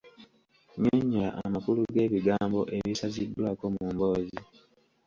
Nnyonnyola amakulu g’ebigambo ebisaziddwaako mu mboozi.